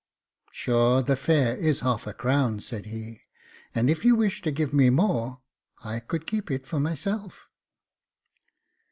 'Sure the fare is half a crown,' said he, 'and if you wish to give me more, I could keep it for myself!